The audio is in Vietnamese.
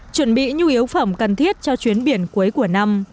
chuẩn bị nhu yếu phẩm cần thiết cho chuyến biển cuối của năm